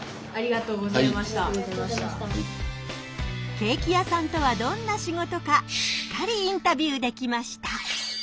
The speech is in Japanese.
ケーキ屋さんとはどんな仕事かしっかりインタビューできました。